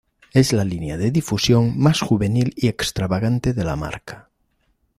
Es la línea de difusión más juvenil y extravagante de la marca.